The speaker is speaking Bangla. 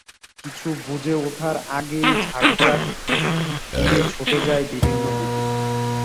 কিছু বুঝে ওঠার আগেই ঝাঁক ঝাঁক গুলি ছুটে যায় বিভিন্ন দিকে।